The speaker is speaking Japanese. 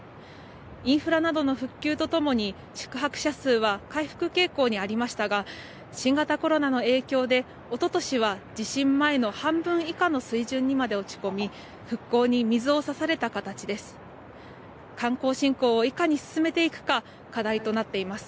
インフラなどの復旧とともに、宿泊者数は回復傾向にありましたが、新型コロナの影響で、おととしは地震前の半分以下の水準にまで落ち込み、復興に水をさされた形です。